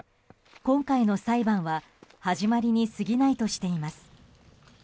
今回の裁判は始まりに過ぎないとしています。